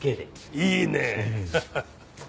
いいねえ！